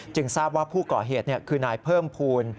ทราบว่าผู้ก่อเหตุคือนายเพิ่มภูมิ